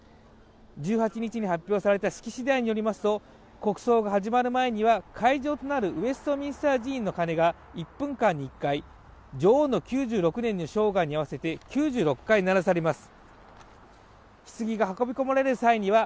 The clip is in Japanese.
１８日に発表された式次第によりますと国葬が始まる前には会場となるウェストミンスター寺院の鐘が一分間に１回女王の９６年の生涯に合わせて９６回鳴らされます